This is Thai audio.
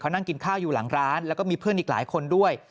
นั่งกินข้าวอยู่หลังร้านแล้วก็มีเพื่อนอีกหลายคนด้วย